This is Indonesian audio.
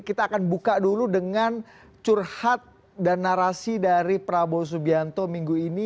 kita akan buka dulu dengan curhat dan narasi dari prabowo subianto minggu ini